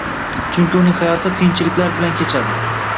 Chunki uning hayoti qiyinchiliklar bilan kechadi